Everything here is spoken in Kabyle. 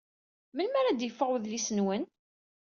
Melmi ara d-yeffeɣ wedlis-nwen?